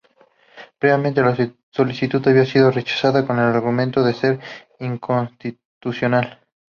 Previamente la solicitud había sido rechazada con el argumento de ser inconstitucional.